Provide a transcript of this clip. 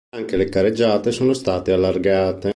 Anche le carreggiate sono state allargate.